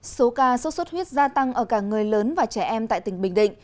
số ca sốt xuất huyết gia tăng ở cả người lớn và trẻ em tại tỉnh bình định